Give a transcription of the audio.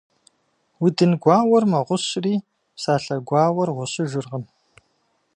Удын гуауэр мэгъущри, псалъэ гуауэр гъущыжыркъым.